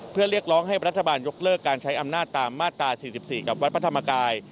เพื่อเรียกร้องให้รัฐบาลยกเลิกการใช้อำนาจตามมาตรา๔๔กับวัดพระธรรมกาย